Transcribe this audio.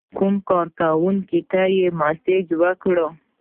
کوم کارکونکي ته یې مسیج وکړ.